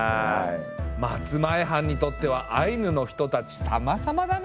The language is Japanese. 松前藩にとってはアイヌの人たちさまさまだね。